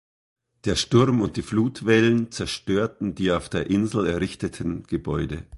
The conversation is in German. Der Sturm und die Flutwellen zerstörten die auf der Insel errichteten Gebäude.